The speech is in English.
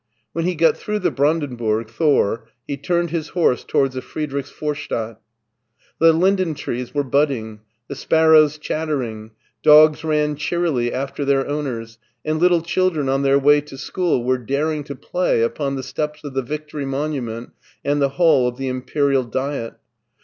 When he got through the Brandenburg Thor he turned his horse towards the Friedrichsvorstadt The linden trees were buddings the sparrows chattering, dogs ran cheerily after their owners, and little children on their way to school were daring to play upon the steps of the Victory monument and the Hall of the Imperial Diet.